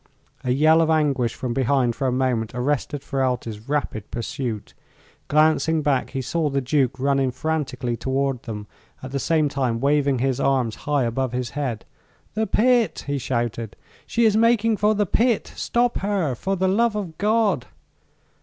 A yell of anguish from behind for a moment arrested Ferralti's rapid pursuit. Glancing back he saw the Duke running frantically toward them, at the same time waving his arms high above his head. "The pit!" he shouted. "She is making for the pit. Stop her, for the love of God!"